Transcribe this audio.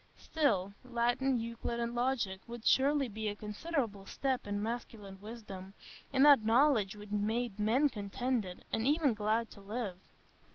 Still, Latin, Euclid, and Logic would surely be a considerable step in masculine wisdom,—in that knowledge which made men contented, and even glad to live.